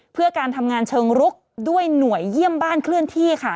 เพื่อการทำงานเชิงรุกด้วยหน่วยเยี่ยมบ้านเคลื่อนที่ค่ะ